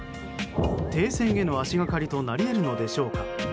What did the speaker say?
停戦への足がかりとなり得るのでしょうか？